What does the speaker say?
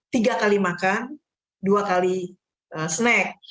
tiga kali makan dua kali snack